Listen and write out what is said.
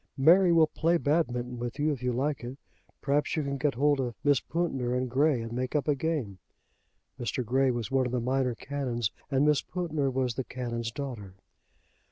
"Mary will play Badminton with you, if you like it. Perhaps you can get hold of Miss Pountner and Grey; and make up a game." Mr. Grey was one of the minor canons, and Miss Pountner was the canon's daughter.